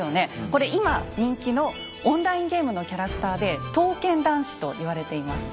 これ今人気のオンラインゲームのキャラクターで「刀剣男士」と言われています。